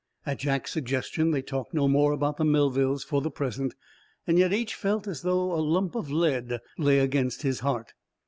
At Jack's suggestion they talked no more about the Melvilles for the present. Yet each felt as though a lump of lead lay against his heart.